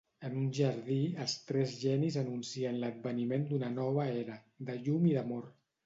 En un jardí, els tres genis anuncien l'adveniment d'una nova era, de llum i d'amor.